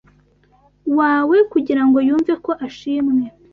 wawe kugirango yumve ko ashimwe